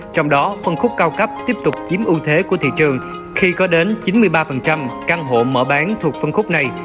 trong đó phân khúc cao cấp tiếp tục chiếm ưu thế của thị trường khi có đến chín mươi ba căn hộ mở bán thuộc phân khúc này